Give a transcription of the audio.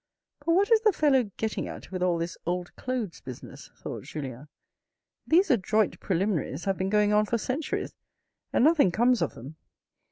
" But what is the fellow getting at with all this old clothes business," thought Julien. " These adroit preliminaries have been going on for centuries, and nothing comes of them.